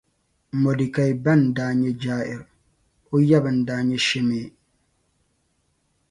Mɔdɛkai ba n-daa nyɛ Jair. O yaba n-daa nyɛ Shimei.